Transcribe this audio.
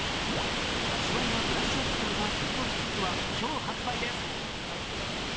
味わいがブラッシュアップされたポテトチップスは今日発売です。